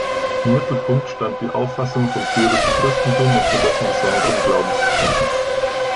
Im Mittelpunkt stand die Auffassung vom syrischen Christentum und von dessen besonderem Glaubensbekenntnis.